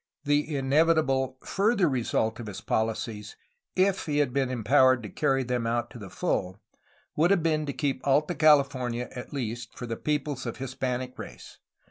The inevitable further result of his policies, if he had been empowered to carry them out to the full, would have been to keep Alta California at least for the peoples of Hispanic race.